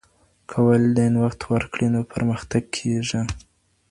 که والدین وخت ورکړي نو پرمختګ کېږي.